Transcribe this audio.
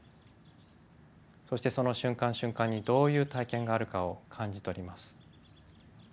そしてその瞬間瞬間にどういう体験があるかを感じ取ります。